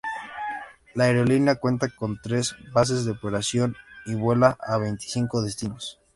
La aerolínea cuenta con tres bases de operaciones, y vuela a veinticinco destinos.